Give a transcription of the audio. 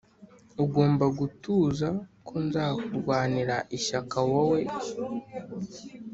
ugomba gutuza ko nzakurwanira ishyaka wowe